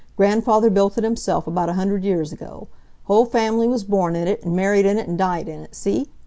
Grandfather built it himself about a hundred years ago. Whole family was born in it, and married in it, and died in it, see?